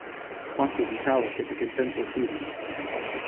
waso li tawa kepeken tenpo suli.